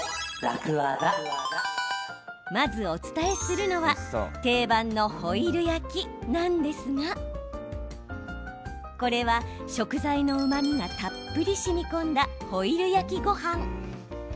まずお伝えするのは定番のホイル焼きなんですがこれは、食材のうまみがたっぷりしみこんだホイル焼きごはん。